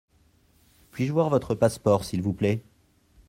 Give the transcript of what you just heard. Puis-je voir votre passeport s’il vous plait ?